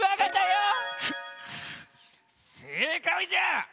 クせいかいじゃ！